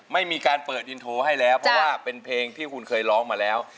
ไม่มีการเปิดอินโทรให้แล้วเพราะว่าเป็นเพลงที่คุณเคยร้องมาแล้ว